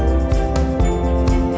nếu không tác dụng được